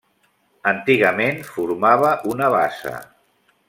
Antigament formava una bassa.